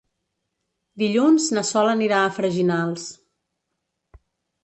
Dilluns na Sol anirà a Freginals.